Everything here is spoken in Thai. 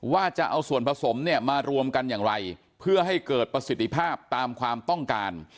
ว่าจะเอาส่วนผสมเนี่ยมารวมกันอย่างไรเพื่อให้เกิดประสิทธิภาพตามความต้องการ